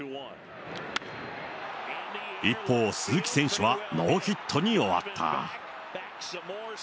一方、鈴木選手はノーヒットに終わった。